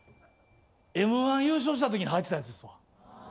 『Ｍ−１』優勝した時に履いてたやつですわ。